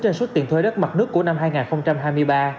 trên số tiền thuê đất mặt nước của năm hai nghìn hai mươi ba